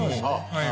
「はい。